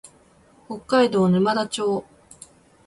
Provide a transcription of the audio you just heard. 北海道沼田町